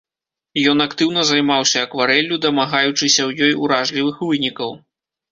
Ён актыўна займаўся акварэллю, дамагаючыся ў ёй уражлівых вынікаў.